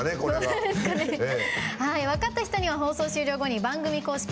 分かった人には放送終了後に番組公式